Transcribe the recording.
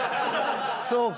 そうか。